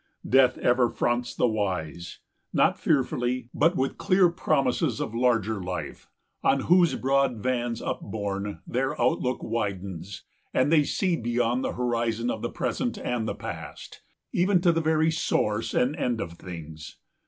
Death ever fronts the wise; Not fearfully, but with clear promises Of larger life, on whose broad vans upborne, 140 Their outlook widens, and they see beyond The horizon of the present and the past, Even to the very source and end of things.